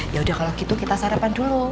yaudah kalau gitu kita sarapan dulu